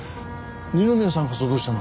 二宮さんこそどうしたの？